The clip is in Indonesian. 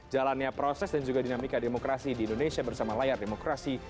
jalannya proses dan juga dinamika demokrasi di indonesia bersama layar demokrasi